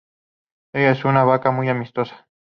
Ella es una vaca muy amistosa.